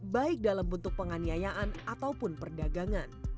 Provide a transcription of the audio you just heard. baik dalam bentuk penganiayaan ataupun perdagangan